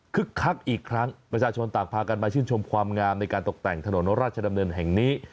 คักอีกครั้งประชาชนต่างพากันมาชื่นชมความงามในการตกแต่งถนนราชดำเนินแห่งนี้